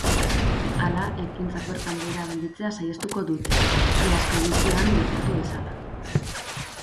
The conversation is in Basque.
Hala, ekintzak bertan behera gelditzea saihestuko dute, iazko edizioan gertatu bezala.